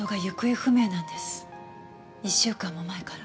１週間も前から。